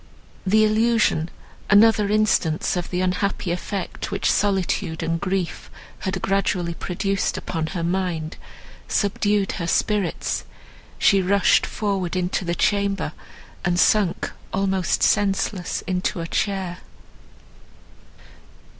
The illusion, another instance of the unhappy effect which solitude and grief had gradually produced upon her mind, subdued her spirits; she rushed forward into the chamber, and sunk almost senseless into a chair.